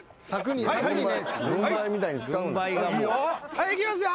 はいいきますよ。